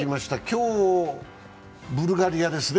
今日はブルガリアですね。